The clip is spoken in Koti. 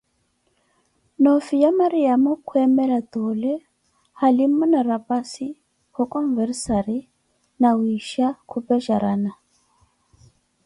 No'fiya Mariamo kwemela tole, halima na raphassi kukhonversaraza nawisha khupejarana